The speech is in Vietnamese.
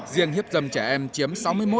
riêng hiếp dâm trẻ em chiếm sáu mươi một tám mươi một